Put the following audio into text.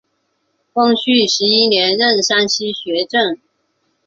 光绪十一年任山西学政。